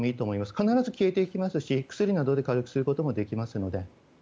必ず消えていきますし薬などで軽くすることもできますので。